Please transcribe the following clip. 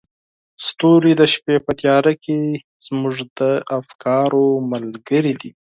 ستوري د شپې په تیاره کې زموږ د افکارو ملګري دي.